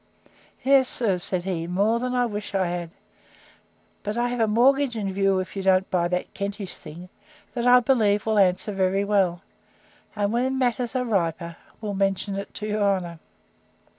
Yes, sir, said he, more than I wish I had. But I have a mortgage in view, if you don't buy that Kentish thing, that I believe will answer very well; and when matters are riper, will mention it to your honour.